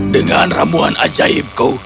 dengan rambuan ajaibku